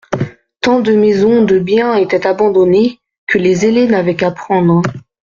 Tant de maisons, de biens, étaient abandonnés, que les zélés n'avaient qu'à prendre.